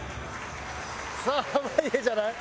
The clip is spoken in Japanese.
さあ濱家じゃない？